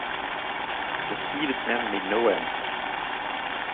The seated man made no answer.